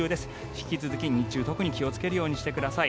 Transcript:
引き続き日中、特に気をつけるようにしください。